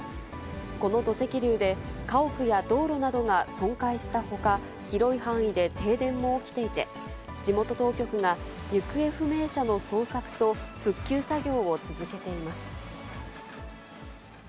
この土石流で、家屋や道路などが損壊したほか、広い範囲で停電も起きていて、地元当局が行方不明者の捜索と復旧作業を続けています。